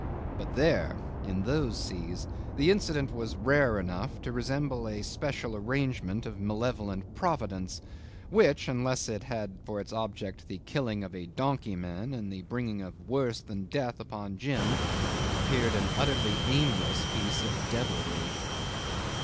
But there in those seas the incident was rare enough to resemble a special arrangement of a malevolent providence, which, unless it had for its object the killing of a donkeyman and the bringing of worse than death upon Jim, appeared an utterly aimless piece of devilry.